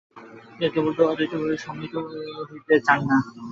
কেবল অদ্বৈতবাদীই সম্মোহিত হইতে চান না।